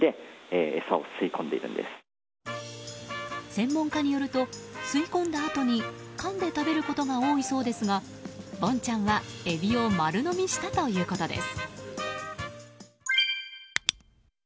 専門家によると吸い込んだあとにかんで食べることが多いそうですがボンちゃんは、エビを丸飲みしたということです。